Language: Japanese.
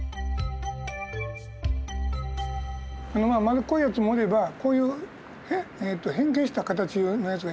丸っこいやつもおればこういう変形した形のやつがいますよね。